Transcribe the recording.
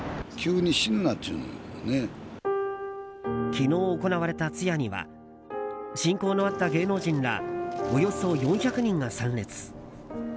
昨日行われた通夜には親交のあった芸能人らおよそ４００人が参列。